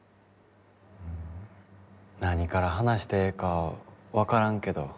何から話してええか分からんけど。